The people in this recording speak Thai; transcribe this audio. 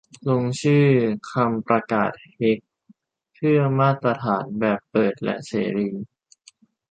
ลงชื่อ "คำประกาศเฮก" - เพื่อมาตรฐานแบบเปิดและเสรี